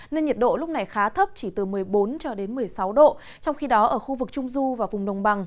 nên nhiệt độ lúc này khá thấp chỉ từ một mươi bốn cho đến một mươi sáu độ trong khi đó ở khu vực trung du và vùng đồng bằng